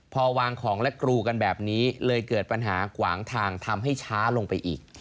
พอวางของและกรูกันแบบนี้เลยเกิดปัญหาขวางทางทำให้ช้าลงไปอีก